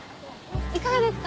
いかがですか？